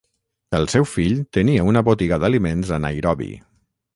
El seu fill tenia una botiga d'aliments a Nairobi.